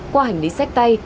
qua hành lý xách tay